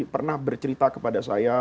pernah bercerita kepada saya